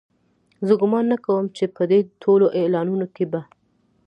زه ګومان نه کوم چې په دې ټولو اعلانونو کې به.